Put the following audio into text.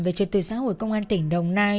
về trật tự xã hội công an tỉnh đồng nai